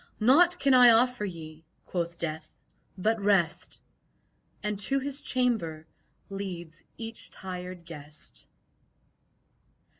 "Naught can I offer ye," quoth Death, "but rest!" And to his chamber leads each tired guest.